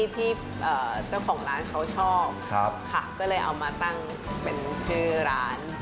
ที่เจ้าของร้านเขาชอบค่ะก็เลยเอามาตั้งเป็นชื่อร้าน